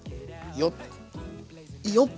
よっ！